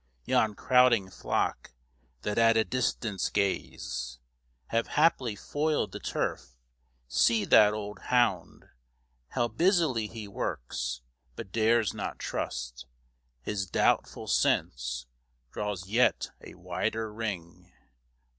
Yon crowding flock, that at a distance gaze, Have haply foil'd the turf. See that old hound! How busily he works, but dares not trust His doubtful sense; draws yet a wider ring.